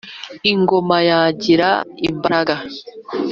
ingoma yagira imbaga.